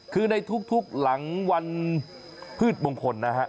คือในทุกหลังวันพืชมงคลนะฮะ